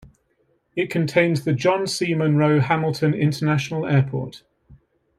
It contains the John C. Munro Hamilton International Airport.